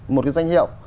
một cái danh hiệu